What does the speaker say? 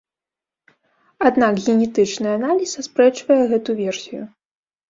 Аднак генетычны аналіз аспрэчвае гэту версію.